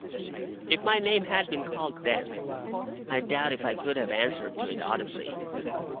If my name had been called then, I doubt if I could have answered to it audibly.